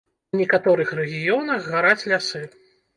У некаторых рэгіёнах гараць лясы.